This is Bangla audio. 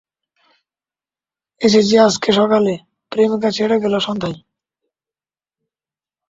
এসেছি আজকে সকালে, প্রেমিকা ছেড়ে গেল সন্ধ্যায়।